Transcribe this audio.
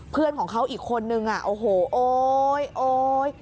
เพื่อนของเขาอีกคนนึงอ่ะโอ้โหโอ๊ยโอ๊ย